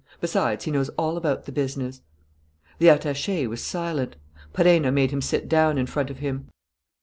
Besides, he knows all about the business." The attaché was silent. Perenna made him sit down in front of him.